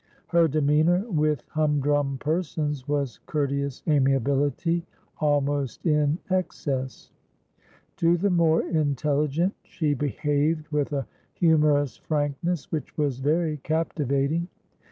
Her demeanour with humdrum persons was courteous amiability almost in excess; to the more intelligent she behaved with a humourous frankness which was very captivating.